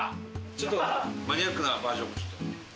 ちょっとマニアックなバージョンも。